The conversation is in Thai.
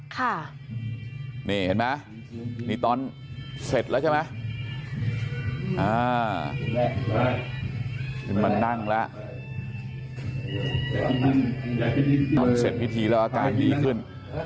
ค่ะนี่เห็นไหมนี่ตอนเสร็จแล้วใช่ไหมอ่าขึ้นมานั่งแล้วตอนเสร็จพิธีแล้วอาการดีขึ้น